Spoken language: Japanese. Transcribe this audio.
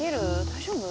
大丈夫？